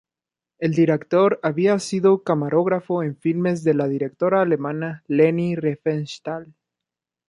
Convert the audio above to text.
El director había sido camarógrafo en filmes de la directora alemana Leni Riefenstahl.